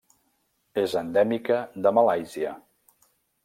És endèmica de Malàisia.